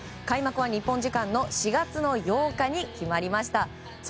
開幕は日本時間の４月８日に決まりました。